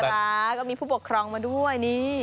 น่ารักก็มีผู้ปกครองมาด้วยนี่